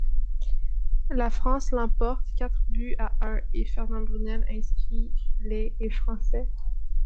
La France l'emporte quatre buts à un et Fernand Brunel inscrit les et français.